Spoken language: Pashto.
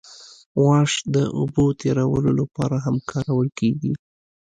واش د اوبو تیرولو لپاره هم کارول کیږي